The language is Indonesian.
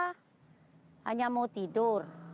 hanya mau tidur